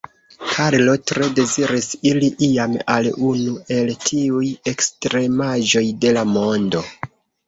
Karlo tre deziris iri iam al unu el tiuj ekstremaĵoj de la mondo.